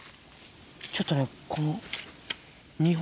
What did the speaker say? ちょっとねこの。